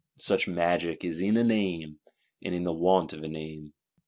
Such magic is in a name; and in the want of a name.